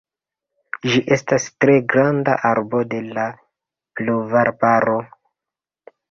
Ĝi estas tre granda arbo de la pluvarbaro.